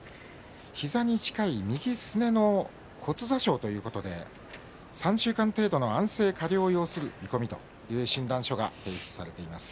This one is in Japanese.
膝に近い右すねの骨挫傷ということで３週間程度の安静加療を要する見込みと診断書が提出されています。